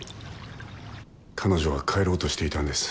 彼女は帰ろうとしていたんです。